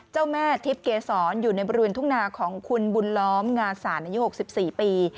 เจ้าแม่ทิพย์เกษรอยู่ในบริเวณทุ่งนาของคุณบุญล้อมงาสารอายุ๖๔ปี